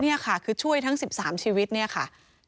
นี่ค่ะคือช่วยทั้ง๑๓ชีวิตเนี่ยค่ะ